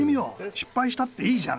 失敗したっていいじゃない。